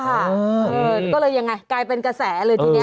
ก็เลยยังไงกลายเป็นกระแสเลยทีนี้